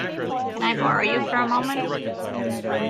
Can I borrow you for a moment?